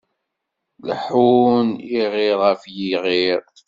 Leḥḥun, iɣiṛ ɣef yiɣiṛ.